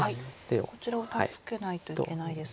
こちらを助けないといけないですが。